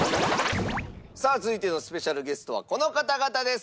さあ続いてのスペシャルゲストはこの方々です。